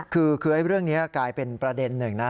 คือเรื่องนี้กลายเป็นประเด็นหนึ่งนะ